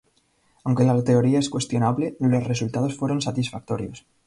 Aunque la teoría es cuestionable, los resultados fueron satisfactorios.